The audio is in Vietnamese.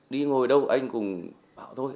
đi ngồi đâu anh cũng bảo thôi